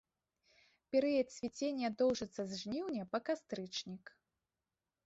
Перыяд цвіцення доўжыцца з жніўня па кастрычнік.